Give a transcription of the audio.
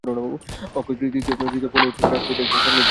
অক্ষয় তৃতীয়ার পূর্ণ তিথিতে রাজপুরীতে একজন সন্ন্যাসীর আবির্ভাব হল।